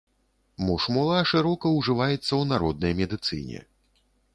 Мушмула шырока ўжываецца ў народнай медыцыне.